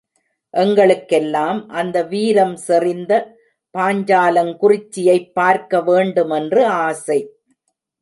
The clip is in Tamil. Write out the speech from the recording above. எங்களுக்கெல்லாம் அந்த வீரம் செறிந்த பாஞ்சாலங்குறிச்சியைப் பார்க்க வேண்டுமென்று ஆசை.